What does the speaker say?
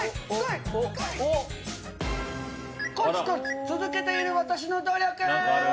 コツコツ続けている私の努力！